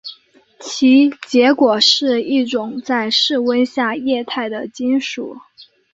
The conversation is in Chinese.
其结果是一种在室温下液态的金属。